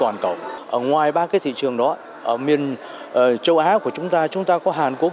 ngoài ba cái thị trường đó ở miền châu á của chúng ta chúng ta có hàn quốc